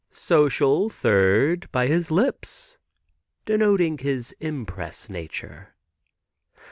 "Social, third, by his lips, denoting his impress nature."